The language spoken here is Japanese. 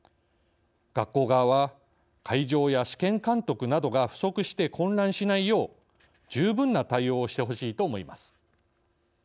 学校側は、会場や試験監督などが不足して混乱しないよう十分な対応をしてほしいと思います。